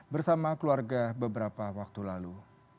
bersama keluarga beberapa waktu lalu